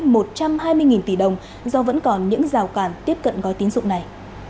gói tiến dụng ưu đãi một trăm hai mươi tỷ đồng do vẫn còn những rào cản tiếp cận gói tiến dụng này